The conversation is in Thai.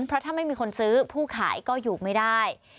เพราะถ้าไม่มีคนซื้อผู้ขายก็อยู่ไม่ได้